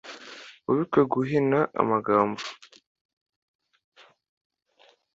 Wibuke guhina amagambo!